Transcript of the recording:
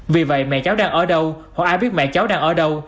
vì vậy mẹ cháu đang ở đâu họ ai biết mẹ cháu đang ở đâu